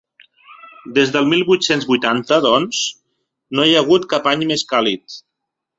Des del mil vuit-cents vuitanta, doncs, no hi ha hagut cap any més càlid.